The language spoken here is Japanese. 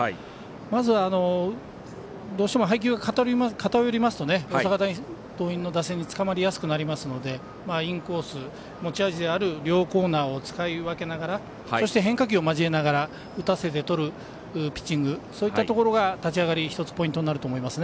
まずは、どうしても配球が偏りますと大阪桐蔭の打線につかまりやすくなりますのでインコース、持ち味である両コーナーを使い分けながらそして変化球を交えながら打たせてとるピッチング、そういったところが立ち上がり１つポイントになると思います。